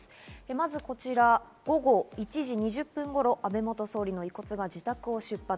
まずこちら、午後１時２０分頃、安倍元総理の遺骨が自宅を出発。